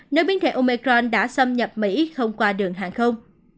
nếu biến thể omecron đã xâm nhập mỹ không qua đường hàng không